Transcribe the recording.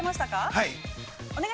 ◆はい。